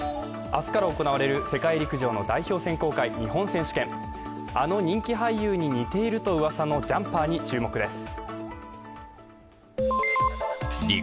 明日から行われる世界陸上の代表選考会日本選手権、あの人気俳優に似ているとうわさのジャンパーに注目です。